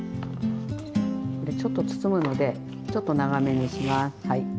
これちょっと包むのでちょっと長めにします。